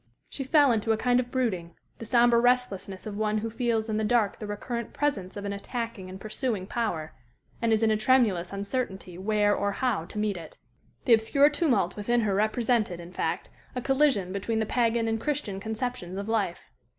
She fell into a kind of brooding, the sombre restlessness of one who feels in the dark the recurrent presence of an attacking and pursuing power, and is in a tremulous uncertainty where or how to meet it. The obscure tumult within her represented, in fact, a collision between the pagan and Christian conceptions of life.